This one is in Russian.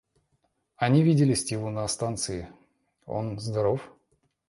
Они видели Стиву на станции, он здоров.